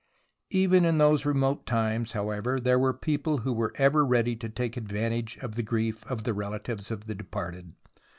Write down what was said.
Even in those remote times, however, there were people who were ever ready to take advantage of the grief of the relatives of the departed.